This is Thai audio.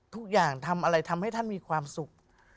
ทุกอย่างทำอะไรทำให้ท่านมีความสุข